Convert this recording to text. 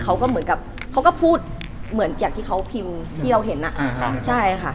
เขาก็เหมือนกับเขาก็พูดเหมือนจากที่เขาพิมพ์ที่เราเห็นอ่ะอ่าใช่ค่ะ